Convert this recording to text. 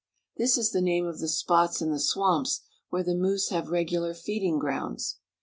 This is the name of the spots in the swamps where the moose have regular feeding grounds.